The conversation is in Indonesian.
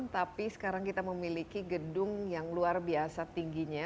tapi sekarang kita memiliki gedung yang luar biasa tingginya